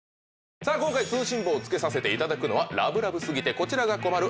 さあ今回通信簿を付けさせていただくのはラブラブ過ぎてこちらが困る